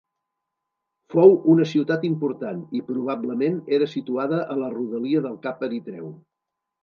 Fou una ciutat important i probablement era situada a la rodalia del cap Eritreu.